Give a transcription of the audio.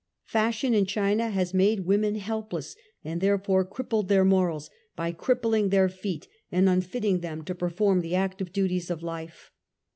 Fashion in China has made women helpless, and therefore crip pled their morals by crippling their feet, and unfit ting them to perform the active duties of life.